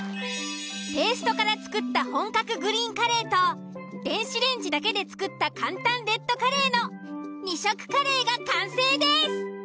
ペーストから作った本格グリーンカレーと電子レンジだけで作った簡単レッドカレーの２色カレーが完成です。